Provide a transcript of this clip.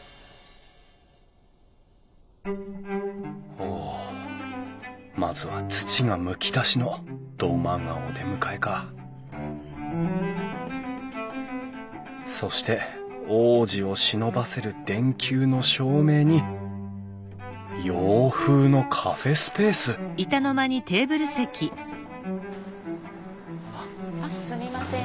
おおまずは土がむき出しの土間がお出迎えかそして往時をしのばせる電球の照明に洋風のカフェスペースあっすみません